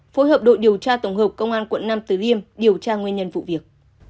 phối hợp đội điều tra tổng hợp công an quận năm từ liêm điều tra nguyên nhân vụ việc